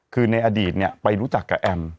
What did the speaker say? คือในอดีตไปรู้จักกับแอม